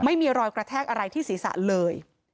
ไม่มีรอยกระแทกอะไรที่ศีรษะเลย